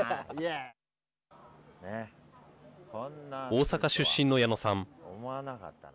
大阪出身の矢野さん。